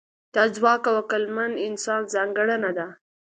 دا ځواک د عقلمن انسان ځانګړنه ده.